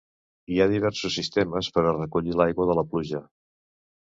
Hi ha diversos sistemes per a recollir l'aigua de la pluja.